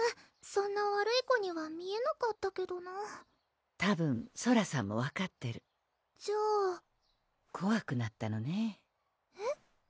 そんな悪い子には見えなかったけどなたぶんソラさんも分かってるじゃあこわくなったのねえっ？